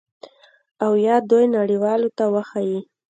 او یا دوی نړیوالو ته وښایي